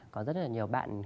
có rất là nhiều bạn